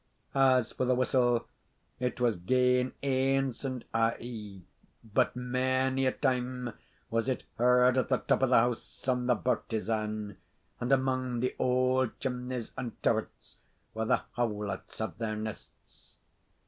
As for the whistle, it was gane anes and aye; but mony a time was it heard at the top of the house on the bartizan, and amang the auld chimneys and turrets where the howlets have their nests.